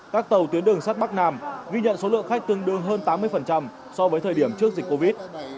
các tàu tuyến đường sắt bắc nam ghi nhận số lượng khách tương đương hơn tám mươi so với thời điểm trước dịch covid